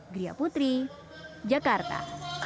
gria putri jakarta